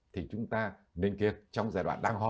thì chúng ta nên kiêm trong giai đoạn đang ho